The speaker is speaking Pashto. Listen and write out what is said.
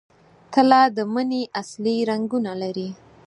تله د مني اصلي رنګونه لري.